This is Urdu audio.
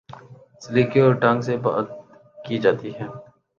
سلیقے اور ڈھنگ سے بات کی جاتی ہے۔